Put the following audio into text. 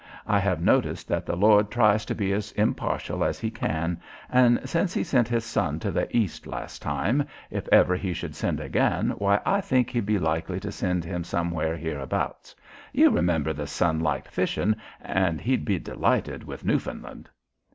I hev noticed that the Lord tries to be as impartial as He can and since He sent His Son to the East last time, if ever He should send again why I think He'd be likely to send Him somewhere hereabouts. You remember the Son liked fishin' an' He'd be delighted with Newfoundland."